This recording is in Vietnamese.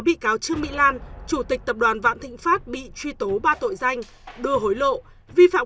bị cáo trương mỹ lan chủ tịch tập đoàn vạn thịnh pháp bị truy tố ba tội danh đưa hối lộ vi phạm